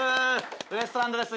ウエストランドです。